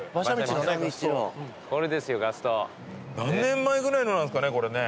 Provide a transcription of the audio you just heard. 何年前ぐらいのなんですかねこれね。